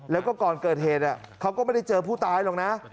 แล้วก็ก่อนเกิดเหตุเขาก็ไม่ได้เจอผู้ตายหรอกนะ